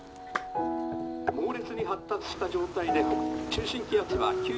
「猛烈に発達した状態で中心気圧は」。